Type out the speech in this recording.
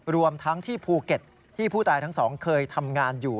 รวมทั้งที่ภูเก็ตที่ผู้ตายทั้งสองเคยทำงานอยู่